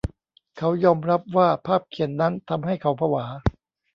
เขายอมรับว่าภาพเขียนนั้นทำให้เขาผวา